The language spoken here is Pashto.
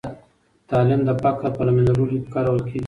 تعلیم د فقر په له منځه وړلو کې کارول کېږي.